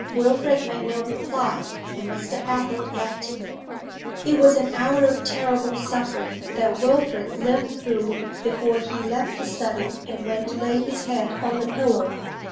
Wilfrid made no reply, and Mr. Athel left him. It was an hour of terrible suffering that Wilfrid lived through before he left the study and went to lay his head on the pillow.